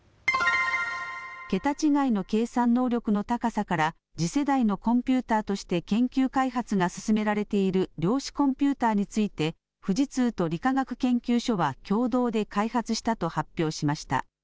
桁違いの計算能力の高さから次世代のコンピューターとして研究開発が進められている量子コンピューターについて富士通と理化学研究所は共同で開発したと発表しました。